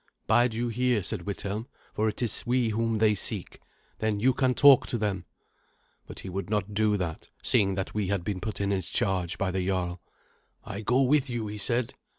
"Bide you here," said Withelm, "for it is we whom they seek. Then you can talk to them." But he would not do that, seeing that we had been put in his charge by the jarl. "I go with you," he said.